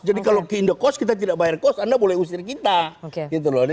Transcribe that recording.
jadi kalau kita ke in the cost kita tidak bayar cost anda boleh usir kita